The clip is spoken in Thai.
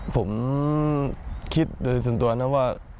ผมคิดในสันตัวนั้นว่า